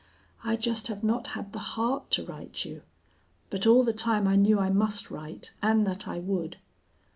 I just have not had the heart to write you. But all the time I knew I must write and that I would.